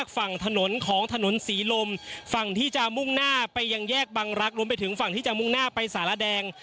ฝั่งที่จะมุ่งหน้าไปยังแยกบังรักรวมไปถึงฝั่งที่จะมุ่งหน้าไปสารแดง